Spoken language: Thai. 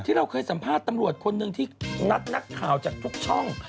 เราเคยสัมภาษณ์ตำรวจคนหนึ่งที่นัดนักข่าวจากทุกช่อง